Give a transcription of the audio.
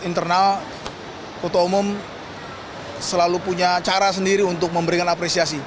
internal ketua umum selalu punya cara sendiri untuk memberikan apresiasi